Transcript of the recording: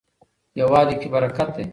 يووالي کي برکت دی.